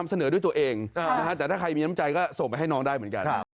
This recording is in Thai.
สัญญาว่า